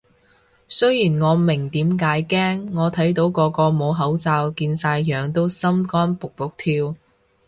雖然我明點解驚，我睇到個個冇口罩見晒樣都心肝卜卜跳